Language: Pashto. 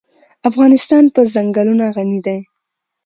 افغانستان په ځنګلونه غني دی.